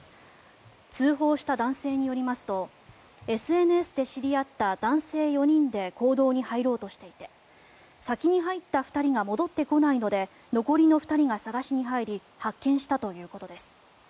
通報した男性によりますとＳＮＳで知り合った男性４人で坑道に入ろうとしていて先に入った２人が戻ってこないので残りの２人が捜しに入り発見したということです。